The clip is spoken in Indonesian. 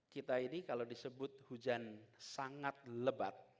kita ini kalau disebut hujan sangat lebat